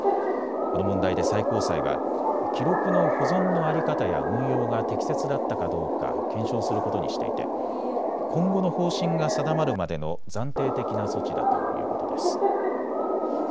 この問題で最高裁は記録の保存の在り方や運用が適切だったかどうか検証することにしていて今後の方針が定まるまでの暫定的な措置だということです。